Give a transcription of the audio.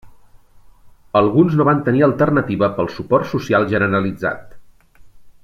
Alguns no van tenir alternativa pel suport social generalitzat.